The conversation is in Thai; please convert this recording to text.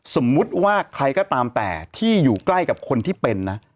สมมุติว่าใครก็ตามแต่ที่อยู่ใกล้กับคนที่เป็นนะ